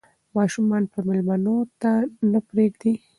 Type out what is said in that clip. ماشومان به مېلمنو ته نه پرېږدي.